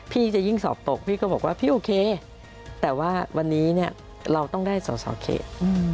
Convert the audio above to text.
พี่จะยิ่งสอบตกพี่ก็บอกว่าพี่โอเคแต่ว่าวันนี้เนี่ยเราต้องได้สอสอเขต